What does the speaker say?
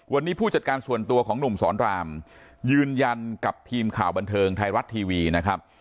วันนี้ผู้จัดการส่วนตัวของหนุ่มสอนรามยืนยันกับทีมข่าวบันเทิงไทยรัฐทีวีนะครับ